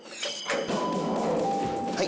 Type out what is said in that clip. はい。